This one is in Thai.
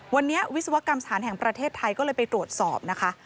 วันนี้วิศวกรรมสถานแห่งประเทศไทยก็เลยไปตรวจสอบนะคะ